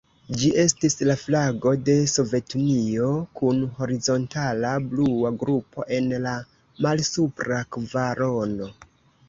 Ĝi estis la flago de Sovetunio, kun horizontala blua grupo en la malsupra kvarono.